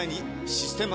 「システマ」